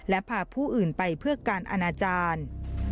และพาผู้อื่นไปเพื่อการอนาจารย์